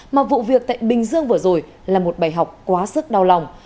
mà vụ việc tại bình dương vừa rồi là một bài học quá sức đau lòng